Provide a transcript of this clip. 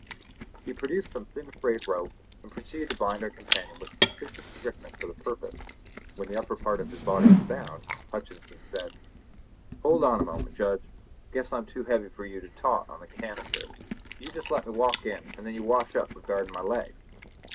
He produced some thin frayed rope and proceeded to bind our companion with sufficient strictness for the purpose. When the upper part of his body was bound, Hutcheson said: "Hold on a moment, Judge. Guess I'm too heavy for you to tote into the canister. You jest let me walk in, and then you can wash up regardin' my legs!"